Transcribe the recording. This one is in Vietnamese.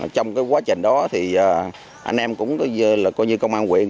trong cái quá trình đó thì anh em cũng là công an huyện